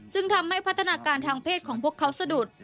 ซึ่งทำให้พัฒนาการทางเพศของพวกเขาสะดุด